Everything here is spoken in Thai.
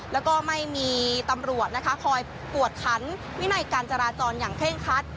แล้วก็ไม่มีตำรวจนะคะคอยกวดขันวินัยการจราจรอย่างเคร่งคัด